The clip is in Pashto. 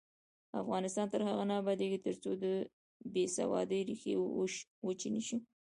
افغانستان تر هغو نه ابادیږي، ترڅو د بې سوادۍ ریښې وچې نشي.